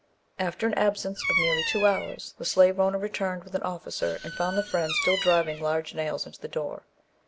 After an absence of nearly two hours, the slave owner returned with an officer and found the Friend still driving large nails into the door.